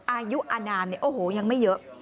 อายุอนามยังไม่เยอะ